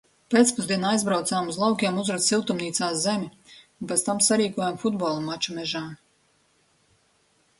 Pēcpusdienā aizbraucām uz laukiem uzrakt siltumnīcā zemi un pēc tam sarīkojām futbola maču mežā.